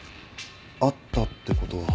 「あった」ってことは？